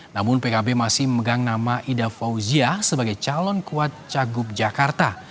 namun pkb masih memegang nama ida fauzia sebagai calon kuat cagup jakarta